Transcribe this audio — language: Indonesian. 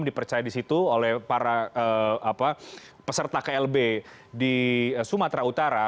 dipercaya di situ oleh para peserta klb di sumatera utara